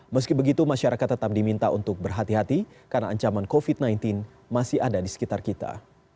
meski begitu masyarakat tetap diminta untuk berhati hati karena ancaman covid sembilan belas masih ada di sekitar kita